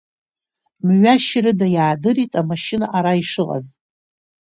Мҩашьарыда иаадырт амашьына ара ишыҟаз.